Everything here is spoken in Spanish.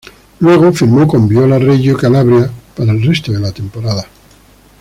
Luego, firmó con Viola Reggio Calabria para el resto de la temporada.